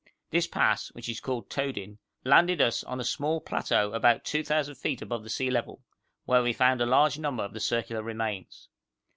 This pass, which is called Todin, landed us on a small plateau about 2,000 feet above the sea level, where we found a large number of the circular remains.